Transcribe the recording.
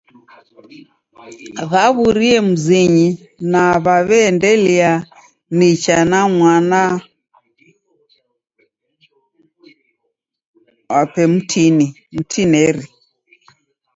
Waw'urie mzinyi na waw'iaendelia nicha na mwanape mtinieri.